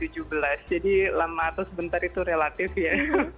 jadi lama atau sebentar itu relatif ya